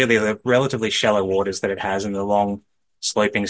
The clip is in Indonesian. air yang relatif rendah yang ada di dalam batang laut yang panjang yang kita miliki